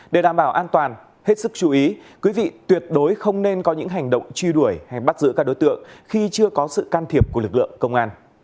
để đảm bảo an toàn hết sức chú ý quý vị tuyệt đối không nên có những hành động truy đuổi hay bắt giữ các đối tượng khi chưa có sự can thiệp của lực lượng công an